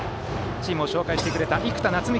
チームを紹介してくれた生田夏海